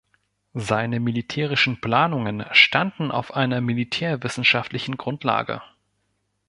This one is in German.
Seine militärischen Planungen standen auf einer militärwissenschaftlichen Grundlage.